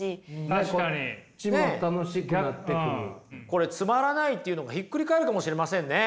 これつまらないっていうのがひっくり返るかもしれませんね。